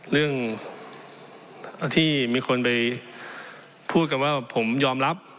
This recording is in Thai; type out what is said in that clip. เรื่องที่มีคนไปพูดกันว่าผมยอมรับ